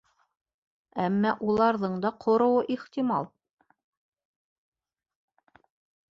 Әммә уларҙың да ҡороуы ихтимал.